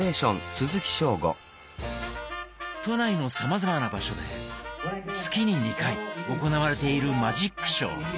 都内のさまざまな場所で月に２回行われているマジックショー。